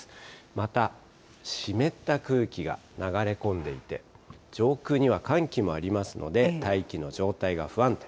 また、湿った空気が流れ込んでいて、上空には寒気もありますので、大気の状態が不安定。